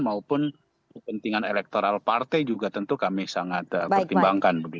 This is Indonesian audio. maupun kepentingan elektoral partai juga tentu kami sangat pertimbangkan